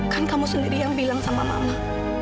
kan kamu sendiri yang bilang sama mama